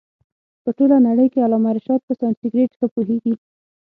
په ټوله نړۍ کښي علامه رشاد په سانسکرېټ ښه پوهيږي.